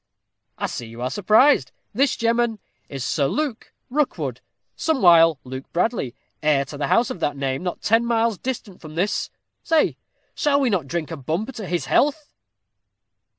I see you are surprised this, gemmen, is Sir Luke Rookwood, somewhile Luke Bradley, heir to the house of that name, not ten miles distant from this. Say, shall we not drink a bumper to his health?"